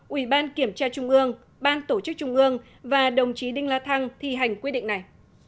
ủy ban kiểm tra trung ương ban tổ chức trung ương và đồng chí đinh la thăng thi hành quyết định này